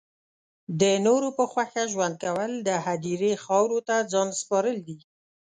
د نورو په خوښه ژوند کول د هدیرې خاورو ته ځان سپارل دی